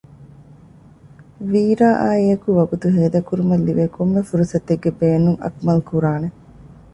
ވީރާއާއިއެކު ވަގުތު ހޭދަކުރުމަށް ލިބޭ ކޮންމެ ފުރުސަތެއްގެ ބޭނުން އަކުމަލް ކުރާނެ